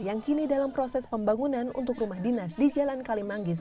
yang kini dalam proses pembangunan untuk rumah dinas di jalan kalimanggis